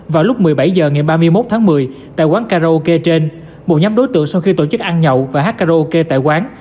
vào lúc một mươi bảy h ngày ba mươi một tháng một mươi tại quán karaoke trên một nhóm đối tượng sau khi tổ chức ăn nhậu và hát karaoke tại quán